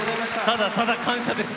ただただ感謝です。